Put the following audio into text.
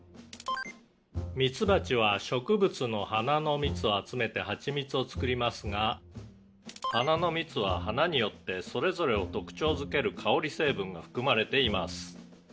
「ミツバチは植物の花の蜜を集めてはちみつを作りますが花の蜜は花によってそれぞれを特徴づける香り成分が含まれています」